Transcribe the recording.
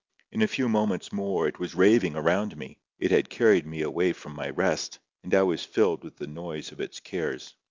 In a few moments more it was raving around me; it had carried me away from my rest, and I was filled with the noise of its cares.